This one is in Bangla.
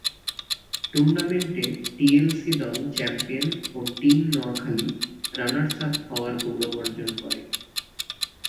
টুর্নামেন্টে টিএলসি দল চ্যাম্পিয়ন ও টিম নোয়াখালী রানার্সআপ হওয়ার গৌরব অর্জন করে।